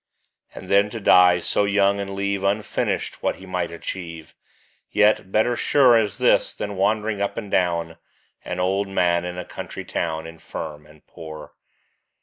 And then to die so young and leav Unfinished what he might achieve Yet better sure Is this, than wandering up and down An old man in a country town, Infirm and poor.